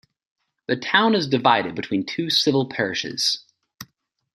The town is divided between two civil parishes.